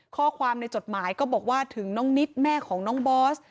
ข้อความในจดหมายก็บอกว่าถึงน้องนิดแม่ของน้องบอส